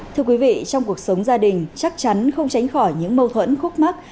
thưa quý vị trong cuộc sống gia đình chắc chắn không tránh khỏi những mâu thuẫn khúc mắc